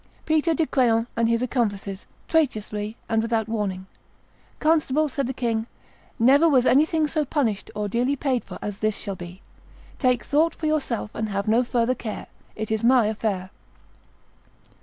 "Peter de Craon and his accomplices; traitorously and without warning." "Constable," said the king, "never was anything so punished or dearly paid for as this shall be; take thought for yourself, and have no further care; it is my affair."